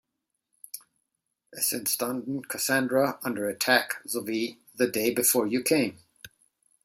Es entstanden "Cassandra", "Under Attack" sowie "The Day Before You Came".